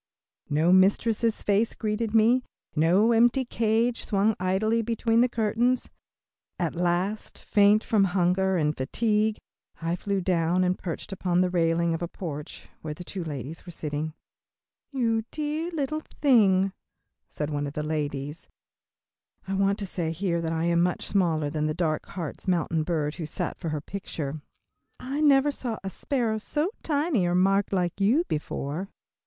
No mistress' face greeted me, no empty cage swung idly between the curtains. At length, faint from hunger and fatigue, I flew down and perched upon the railing of a porch where two ladies were sitting. "You dear little thing," said one of the ladies I want to say here that I am much smaller than the dark Hartz Mountain bird who sat for her picture "I never saw a sparrow so tiny, or marked like you before."